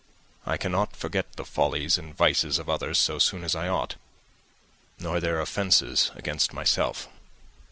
I cannot forget the follies and vices of others so soon as I ought, nor their offences against myself.